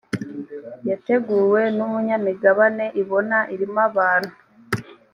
yateguwe n umunyamigabane ibona irimo ibintu